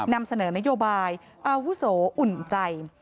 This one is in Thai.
นำเสนอนโยบายอาวุโสอุ่นใจ